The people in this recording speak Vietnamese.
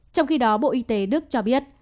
trong khi đó bộ y tế đức cho biết